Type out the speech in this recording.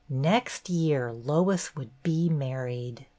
Next year Lois would be married